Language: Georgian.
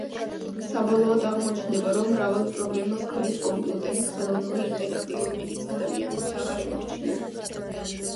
საბოლოოდ აღმოჩნდება, რომ მრავალ პრობლემას ქმნის კომპიუტერის ხელოვნური ინტელექტი, რომელიც ადამიანებს აღარ ემორჩილება.